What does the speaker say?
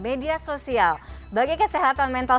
media sosial bagi kesehatan mental